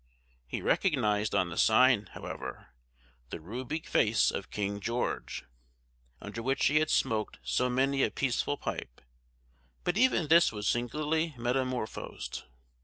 He recognized on the sign, however, the ruby face of King George, under which he had smoked so many a peaceful pipe, but even this was singularly metamorphosed.